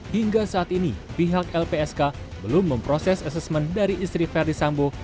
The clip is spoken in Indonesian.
hingga saat ini pihak lpsk belum memproses asesmen dari istri verdi sambo